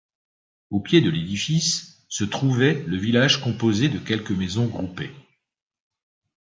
Au pied de l'édifice se trouvait le village composé de quelques maisons groupées.